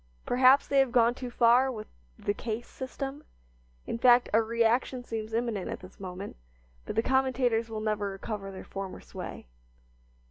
Perhaps they have gone too far with the "case system"; in fact, a reaction seems imminent at this moment; but the commentators will never recover their former sway.